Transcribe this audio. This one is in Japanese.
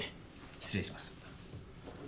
失礼します。